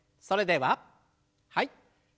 それでははい。